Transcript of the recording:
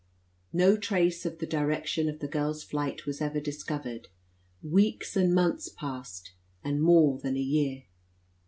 No trace of the direction of the girl's flight was ever discovered. Weeks and months passed, and more than a year.